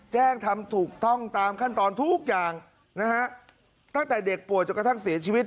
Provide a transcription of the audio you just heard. ทำถูกต้องตามขั้นตอนทุกอย่างนะฮะตั้งแต่เด็กป่วยจนกระทั่งเสียชีวิต